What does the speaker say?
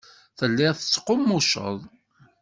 Telliḍ tettqummuceḍ.